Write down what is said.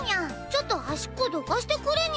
ちょっと端っこどかしてくれにゃ。